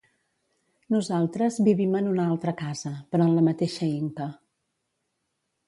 Nosaltres vivim en una altra casa, però en la mateixa Inca.